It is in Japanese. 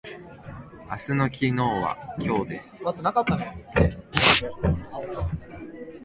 明日の昨日は今日です。